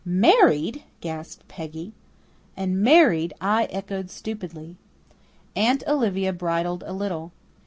"Married!" gasped Peggy. And "married!" I echoed stupidly. Aunt Olivia bridled a little.